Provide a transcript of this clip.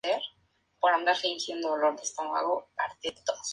Margarita fue una poetisa, crítica literaria, periodista y traductora mexicana.